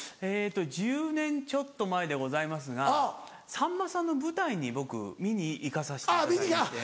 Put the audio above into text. １０年ちょっと前でございますがさんまさんの舞台に僕見に行かさせていただいて。